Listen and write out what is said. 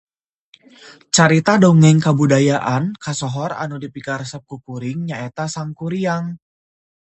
Carita dongeng kabudayaan kasohor anu dipikaresep ku kuring nyaeta Sangkuriang.